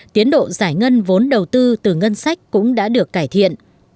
tiến độ giải ngân vốn đầu tư từ ngân sách cũng đã được cải thiện